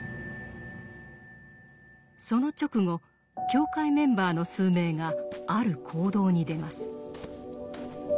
その直後教会メンバーの数名がある行動に出ます。